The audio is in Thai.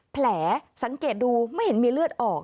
แผลสังเกตดูไม่เห็นมีเลือดออก